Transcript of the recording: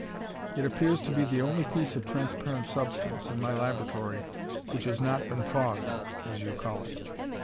It appears to be the only piece of transparent substance in my laboratory which has not been fogged, as you call it."